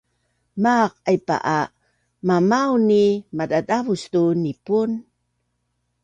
Maaq aipaa mamaun i madadavus tu nipun